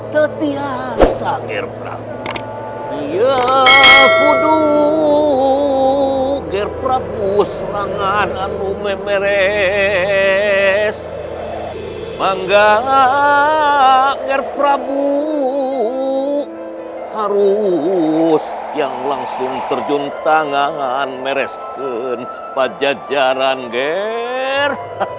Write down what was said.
terus yang langsung terjun tangan mereskan pajajaran ger